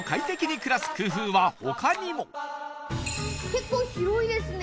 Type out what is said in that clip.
結構広いですね